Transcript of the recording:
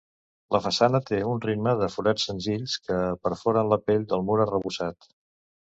La façana té un ritme de forats senzills que perforen la pell del mur arrebossat.